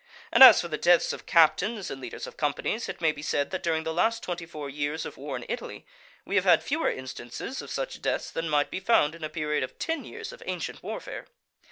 And as for the deaths of captains and leaders of companies, it may be said that during the last twenty four years of war in Italy, we have had fewer instances of such deaths than might be found in a period of ten years of ancient warfare.